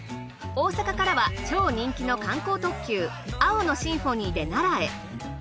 大阪からは超人気の観光特急「青の交響曲」で奈良へ。